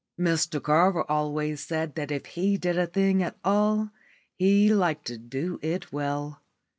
Mr Carver always said that if he did a thing at all he liked to do it well.